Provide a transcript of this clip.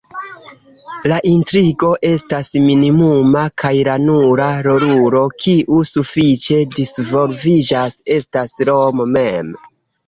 La intrigo estas minimuma, kaj la nura "rolulo" kiu sufiĉe disvolviĝas estas Romo mem.